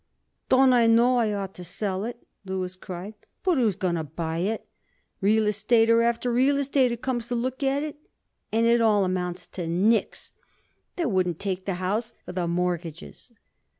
"Don't I know I ought to sell it?" Louis cried; "but who's going to buy it? Real estater after real estater comes to look at it, and it all amounts to nix. They wouldn't take the house for the mortgages."